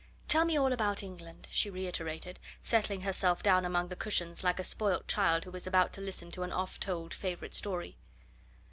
"Tell me all about England," she reiterated, settling herself down among the cushions like a spoilt child who is about to listen to an oft told favourite story.